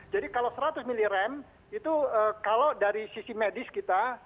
jadi kalau seratus miliar itu kalau dari sisi medis kita